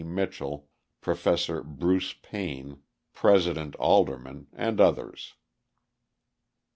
Mitchell, Professor Bruce Payne, President Alderman, and others.